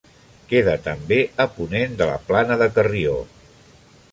Queda també a ponent de la Plana de Carrió.